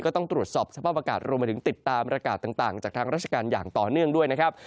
ก็ต้องตรวจสอบสภาพอากาศรวมมาถึงติดตามอากาศต่างจากทางราชการอย่างต่อเนื่องด้วยนะครับ